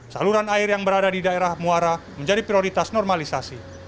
saluran air yang berada di daerah muara menjadi prioritas normalisasi